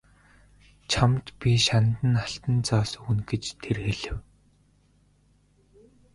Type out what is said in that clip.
Чамд би шанд нь алтан зоос өгнө гэж тэр хэлэв.